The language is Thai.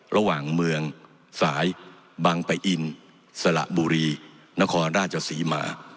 ระหว่างเมืองสายบังปะอินสระบุรีนครราชศรีมา